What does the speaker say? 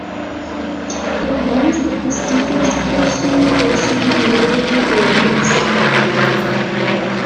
It runs the prestigious Hooshang Golshiri Literary Awards.